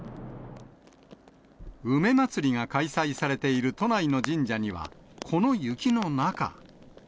梅まつりが開催されている都内の神社には、この雪の中。